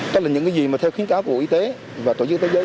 các là những gì mà theo khuyến cáo của bộ y tế và tổ chức y tế giới